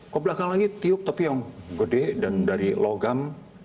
ke belakang lagi tiup tapi yang gede dan dari logam